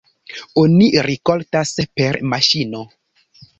Oni rikoltas per maŝino.